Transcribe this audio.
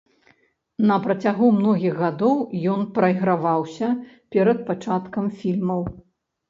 На працягу многіх гадоў ён прайграваўся перад пачаткам фільмаў.